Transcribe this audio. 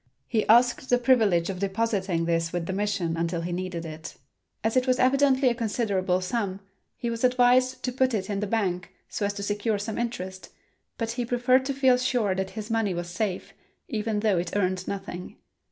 He asked the privilege of depositing this with the mission until he needed it. As it was evidently a considerable sum, he was advised to put it in the bank so as to secure some interest, but he preferred to feel sure that his money was safe, even though it earned nothing.